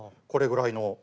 これぐらいの。